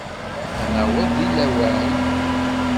Ad naweḍ deg lawan?